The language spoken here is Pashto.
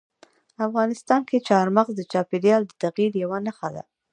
افغانستان کې چار مغز د چاپېریال د تغیر یوه نښه ده.